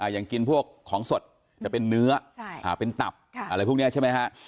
อย่างกินพวกของสดจะเป็นเนื้อเป็นตับอะไรพวกนี้ใช่ไหมฮะ